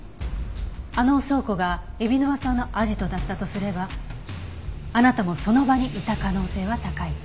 あの倉庫が海老沼さんのアジトだったとすればあなたもその場にいた可能性は高い。